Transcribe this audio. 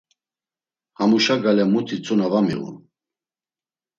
Hamuşa gale muti tzuna va miğun.